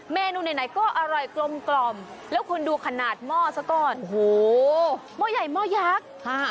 เมนูไหนก็อร่อยกลมกล่อมแล้วคุณดูขนาดหม้อซะก่อนโอ้โหหม้อใหญ่หม้อยักษ์ค่ะ